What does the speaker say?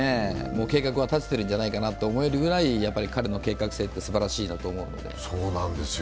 もう計画は立てているんじゃないかなと思うぐらいやっぱり彼の計画性ってすばらしいなと思うので。